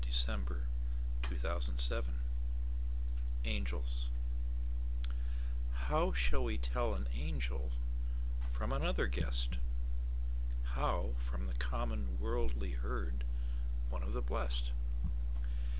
By GertrudeHall 1522 Angels HOW shall we tell an angelFrom another guest? How, from the common worldly herd, One of the blest?